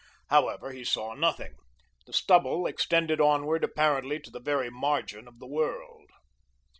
However, he saw nothing. The stubble extended onward apparently to the very margin of the world.